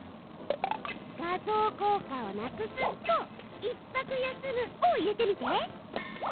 「画像効果をなくす」と「１拍休む」を入れてみて。